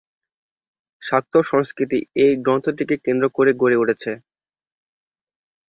শাক্ত সংস্কৃতি এই গ্রন্থটিকে কেন্দ্র করেই গড়ে উঠেছে।